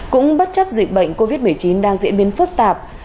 cũng bất chấp dịch bệnh covid một mươi chín đang diễn biến phức tạp